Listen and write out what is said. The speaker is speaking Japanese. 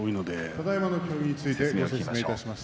ただいまの軍配について説明いたします。